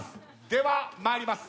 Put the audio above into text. では、まいります。